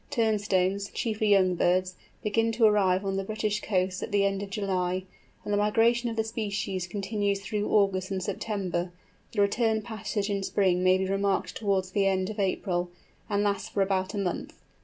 Turnstones, chiefly young birds, begin to arrive on the British coasts at the end of July, and the migration of the species continues through August and September; the return passage in spring may be remarked towards the end of April, and lasts for about a month.